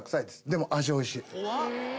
「でも味おいしい」